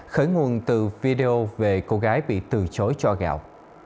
khởi nguồn từ video về cô gái bị từ chối cho gạo